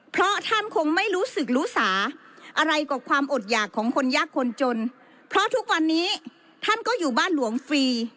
เพราะท่านคงไม่รู้สึกรู้สาอะไรกับความอดหยากของคนยากคนจนเพราะทุกวันนี้ท่านก็อยู่บ้านหลวงฟรี